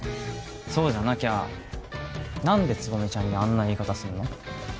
そうじゃなきゃ何で蕾未ちゃんにあんな言い方するの？